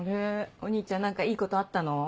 お兄ちゃん何かいいことあったの？